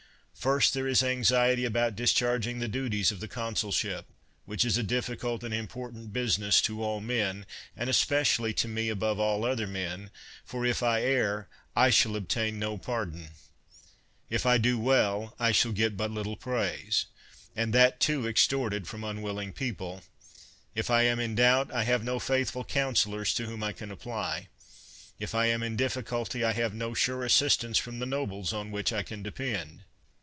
First, there is anxiety about discharging the duties of the consulship, which is a diflScult and important business to all men, and especially to me above all other men ; for if I err, I shall obtain no par don — if I do well, I shall get but little praise, and that, too, extorted from unwilling people — if I am in doubt, I have no faithful counselors to whom I can apply — if I am in difficulty, I have no sure assistance from the nobles on which I can depend.